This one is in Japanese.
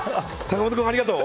坂本君、ありがとう。